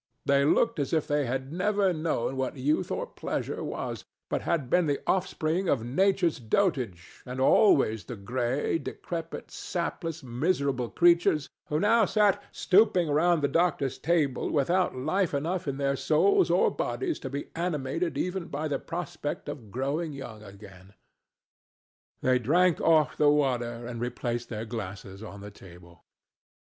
They looked as if they had never known what youth or pleasure was, but had been the offspring of Nature's dotage, and always the gray, decrepit, sapless, miserable creatures who now sat stooping round the doctor's table without life enough in their souls or bodies to be animated even by the prospect of growing young again. They drank off the water and replaced their glasses on the table.